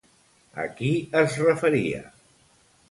A qui es referia?